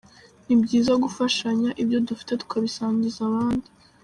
Ni byiza gufashanya, ibyo dufite tukabisangiza abandi.